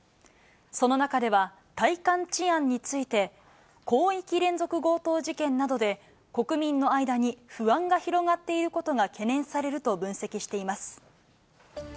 その中では、体感治安について、広域連続強盗事件などで、国民の間に不安が広がっていることが懸念されると分析しています。